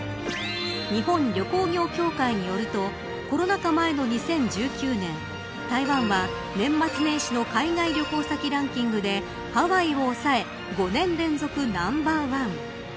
日本旅行業協会によりますとコロナ禍前の２０１９年台湾は年末年始の海外旅行先ランキングでハワイを押さえ５年連続ナンバーワン。